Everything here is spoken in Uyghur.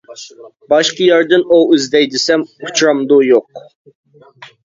باشقا يەردىن ئوۋ ئىزدەي دېسەم، ئۇچرامدۇ-يوق.